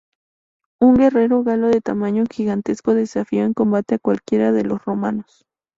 Un guerrero galo de tamaño gigantesco desafió en combate a cualquiera de los romanos.